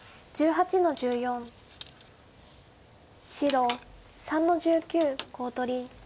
白３の十九コウ取り。